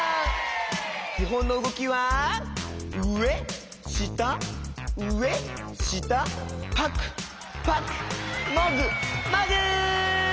きほんのうごきはうえしたうえしたぱくぱくもぐもぐ！